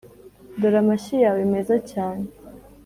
dore amashyi yawe meza cyane,